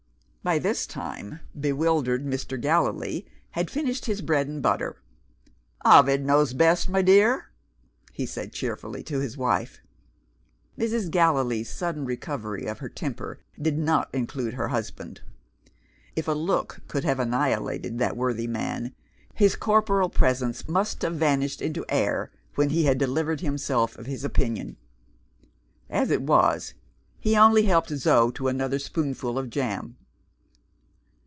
By this time, bewildered Mr. Gallilee had finished his bread and butter. "Ovid knows best, my dear," he said cheerfully to his wife. Mrs. Gallilee's sudden recovery of her temper did not include her husband. If a look could have annihilated that worthy man, his corporal presence must have vanished into air, when he had delivered himself of his opinion. As it was, he only helped Zo to another spoonful of jam.